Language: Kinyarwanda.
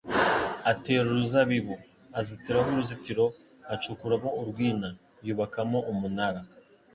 atera uruzabibu. Azitiraho uruzitiro, acukuramo urwina, yubakamo umunara.